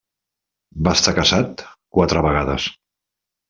Va estar casat quatre vegades.